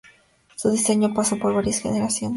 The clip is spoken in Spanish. Su diseño pasó por varias generaciones.